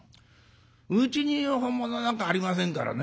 うちには本物なんかありませんからね。